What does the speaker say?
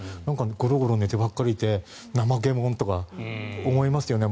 ゴロゴロ寝てばかりいて怠け者とか思いますよね。